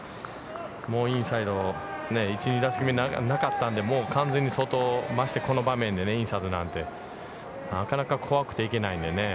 もうインサイド、１２打席目なかったのでもう完全に外、まして、この場面でインサイドなんて、なかなか怖くて行けないんでね。